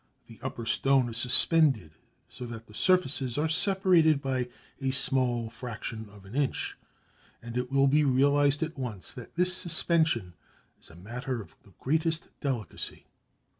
The upper stone is suspended so that the surfaces are separated by a small fraction of an inch, and it will be realised at once that this suspension is a matter of the greatest delicacy.